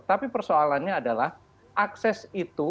tapi persoalannya adalah akses itu